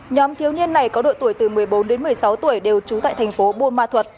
nhóm thiếu niên này có độ tuổi từ một mươi bốn đến một mươi sáu tuổi đều trú tại thành phố buôn ma thuật